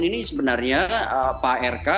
ini sebenarnya pak rk